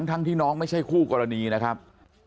ทั้งที่น้องไม่ใช่คู่กรณีนะครับ